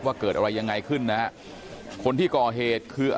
เกิดอะไรยังไงขึ้นนะฮะคนที่ก่อเหตุคือ